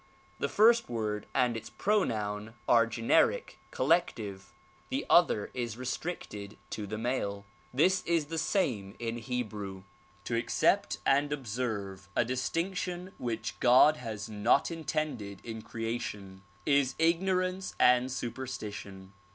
The fiist word and its pi'onoun are generic, collective; the other is restricted to the male. Tliis is the same in Hebrew. To accept and observe a distinction which God has not intended in creation, is ignorance and superstition.